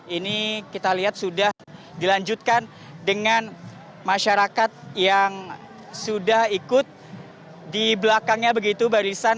ini kita lihat sudah dilanjutkan dengan masyarakat yang sudah ikut di belakangnya begitu barisan